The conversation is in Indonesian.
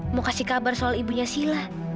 mau kasih kabar soal ibunya sila